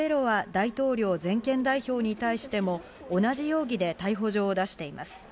大統領全権代表に対しても同じ容疑で逮捕状を出しています。